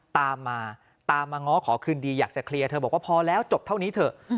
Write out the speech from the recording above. ตามมาตามมาง้อขอคืนดีอยากจะเคลียร์เธอบอกว่าพอแล้วจบเท่านี้เถอะ